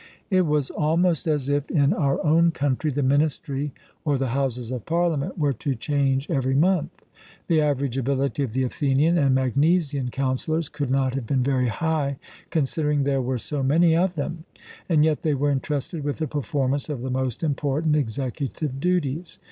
It was almost as if, in our own country, the Ministry or the Houses of Parliament were to change every month. The average ability of the Athenian and Magnesian councillors could not have been very high, considering there were so many of them. And yet they were entrusted with the performance of the most important executive duties.